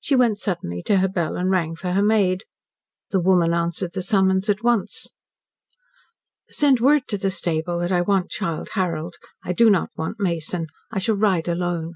She went suddenly to her bell and rang for her maid. The woman answered the summons at once. "Send word to the stable that I want Childe Harold. I do not want Mason. I shall ride alone."